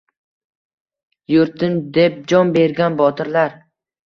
Yurtim deb jon bergan botirlar